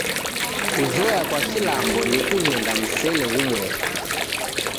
Kuzoya kwa kilambo ni kughenda msele ghumweri.